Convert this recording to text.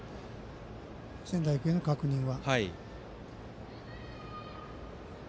仙台育英の確認は。